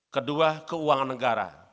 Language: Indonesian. kedua keuangan negara